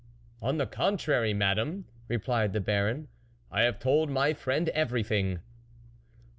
" On the contrary, Madame," replied the Baron, " I have told my friend every thing."